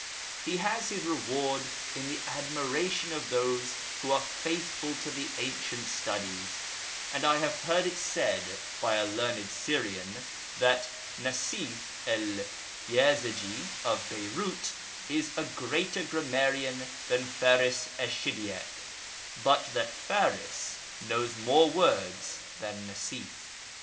He has his reward in the admiration of those who are faithful to the ancient studies, and I have heard it said by a learned Syrian that Nasif el Yazaji of Beyrout is a greater grammarian than F&ris esh Shididk, but that Fdris knows more words than Nasif.